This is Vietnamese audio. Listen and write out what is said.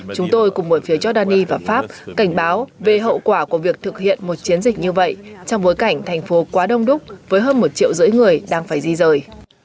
chúng tôi cùng một phía jordani và pháp cảnh báo về hậu quả của việc thực hiện một chiến dịch như vậy trong bối cảnh thành phố quá đông đúc với hơn một triệu rưỡi người đang phải di rời